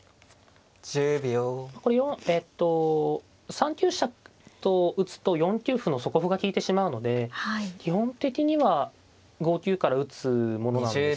３九飛車と打つと４九歩の底歩が利いてしまうので基本的には５九から打つものなんですけど。